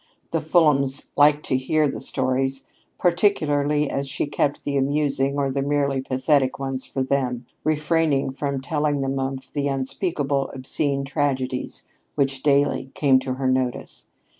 The Fulhams liked to hear her stories, particularly as she kept the amusing or the merely pathetic ones for them, refraining from telling them of the unspeakable, obscene tragedies which daily came to her notice.